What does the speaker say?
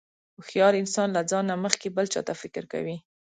هوښیار انسان له ځان نه مخکې بل چاته فکر کوي.